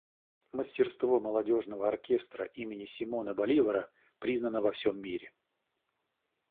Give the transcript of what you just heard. Мастерство молодежного оркестра имени Симона Боливара признано во всем мире.